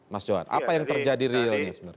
mas johan apa yang terjadi realnya sebenarnya